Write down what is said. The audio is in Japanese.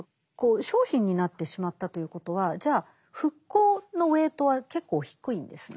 商品になってしまったということはじゃあ復興のウエイトは結構低いんですね。